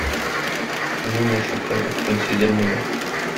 Мин яшьлектән үттем сизелми дә...